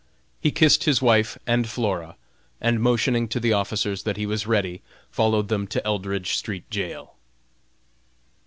He kissed his wife and Flora, and motioning to the officers that he was ready, followed them to Eldridge street jail.